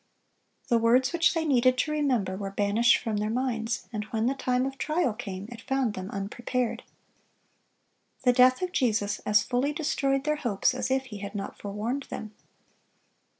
The words which they needed to remember were banished from their minds; and when the time of trial came, it found them unprepared. The death of Jesus as fully destroyed their hopes as if He had not forewarned them.